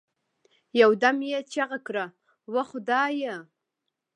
يو دم يې چيغه كړه وه خدايه!